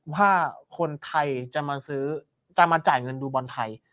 ว่าคนไทยจะมาซื้อจะมาจ่ายเงินดูบอลไทย